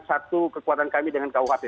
satu kekuatan kami dengan kuhp